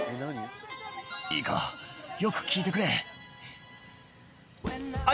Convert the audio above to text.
「いいかよく聞いてくれ」